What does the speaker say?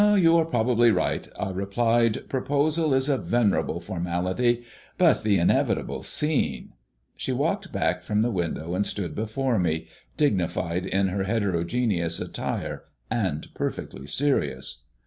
"You are probably right," I replied. "Proposal is a venerable formality; but the inevitable scene " She walked back from the window and stood before me, dignified in her heterogeneous attire and perfectly serious.